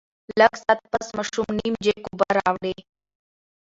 لږ ساعت پس ماشوم نيم جګ اوبۀ راوړې